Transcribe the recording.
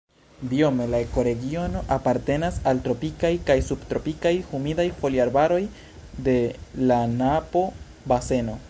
Biome la ekoregiono apartenas al tropikaj kaj subtropikaj humidaj foliarbaroj de la Napo-baseno.